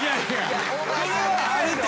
それはあるて。